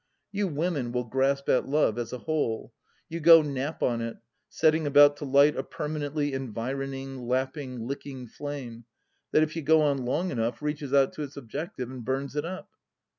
. You women will grasp at Love as a whole : you go Nap on it, setting about to light a permanently environing, lapping, licking flame, that if you go on long enough reaches out to its objective and bums it up